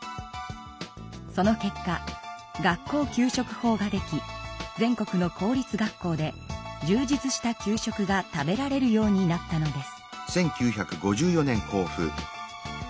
その結果学校給食法ができ全国の公立学校でじゅう実した給食が食べられるようになったのです。